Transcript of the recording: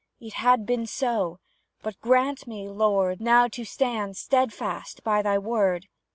It has been so; but grant me, Lord, Now to stand steadfast by Thy word!